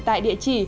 tại địa chỉ